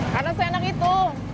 karena senang itu